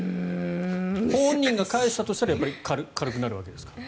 本人が返したとしたら軽くなるわけですか。